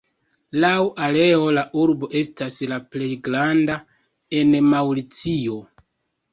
Laŭ areo la urbo estas la plej granda en Maŭricio.